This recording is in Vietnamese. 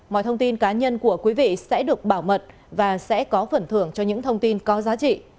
mọi thông tin cá nhân của quý vị sẽ được bảo mật và sẽ có phần thưởng cho những thông tin có giá trị